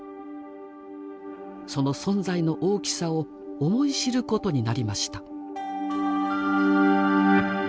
その存在の大きさを思い知ることになりました。